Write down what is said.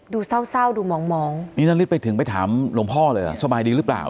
ดูเศร้าดูมองนี่นาริสไปถึงไปถามหลวงพ่อเลยอ่ะสบายดีหรือเปล่า